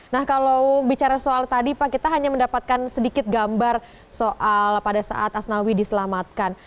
nah kalau bicara soal tadi pak kita hanya mendapatkan sedikit gambar soal pada saat asnawi diselamatkan